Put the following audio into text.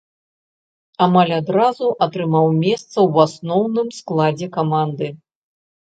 Амаль адразу атрымаў месца ў асноўным складзе каманды.